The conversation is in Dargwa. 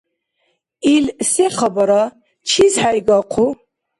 Ил се хабара? Чис хӀейгахъу?